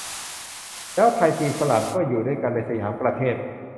แล้วไทย จีน ฝรั่ง ก็อยู่ด้วยกันในสยามประเทศ